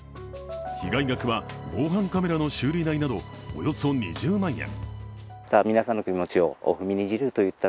被害額は防犯カメラの修理代などおよそ２０万円。